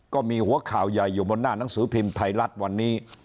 ก็มีหัวข่าวใหญ่อยู่บนหน้าหนังสือพิมพ์ไทยรัฐวันนี้